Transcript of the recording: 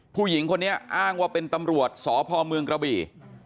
ผู้หญิงคนนี้อ้างว่าเป็นตำรวจสพเมืองกระบี่